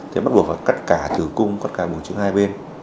thì bắt buộc phải cắt cả tử cung cắt cả bụng trứng hai bên